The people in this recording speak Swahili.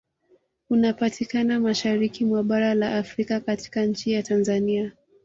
Unapatikana mashariki mwa bara la Afrika katika nchi ya Tanzania